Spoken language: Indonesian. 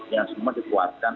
yang semua dikuatkan